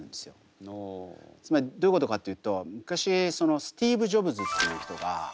つまりどういうことかっていうと昔スティーブ・ジョブズっていう人が。